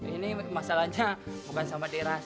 ini masalahnya bukan sama daerah